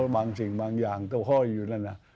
บางสิ่งบางอย่างองค์ต้อยอยู่นะนะ